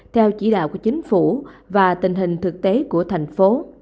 theo chỉ đạo của chính phủ và tình hình thực tế của thành phố